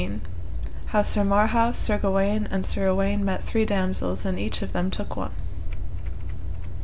How Sir Marhaus, Sir Gawaine, and Sir Uwaine met three damosels, and each of them took one.